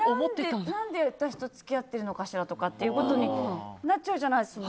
何で私と付き合っているのかしらってことになっちゃうじゃないですか。